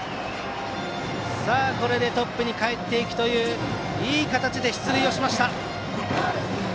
さあ、これでトップにかえっていっていい形で出塁しました。